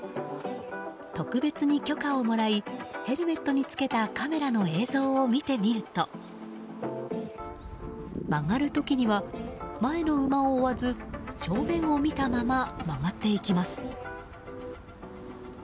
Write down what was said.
特別に許可をもらいヘルメットにつけたカメラの映像を見てみると曲がる時には前の馬を追わず正面を見たまま曲がっていきます。